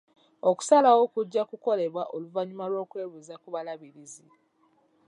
Okusalawo kujja kukolebwa oluvannyuma lw'okwebuuza ku balabirizi.